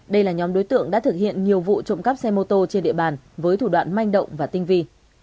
đây là nhóm đối tượng đã thực hiện nhiều vụ trộm cắp xe mô tô trên địa bàn với thủ đoạn manh động và tinh vi